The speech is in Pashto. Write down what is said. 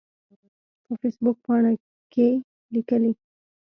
په فیسبوک پاڼه کې کې لیکلي